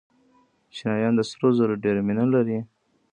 چینایان د سرو زرو ډېره مینه لري.